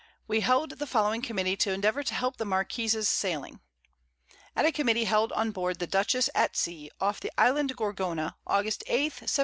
We held the following Committee to endeavour to help the Marquiss's sailing. At a Committee held on board the Dutchess at Sea, off the Island Gorgona, August 8th, 1709.